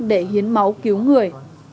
để hiến máu cứu người